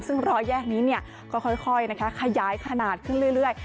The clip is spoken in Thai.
ซึ่งรอยแยกนี้ก็ค่อยขยายขนาดขึ้นเรื่อย